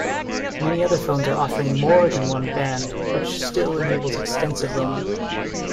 Many other phones are offering more than one band which still enables extensive roaming.